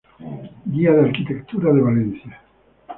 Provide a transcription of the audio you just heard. Guía de Arquitectura de Valencia.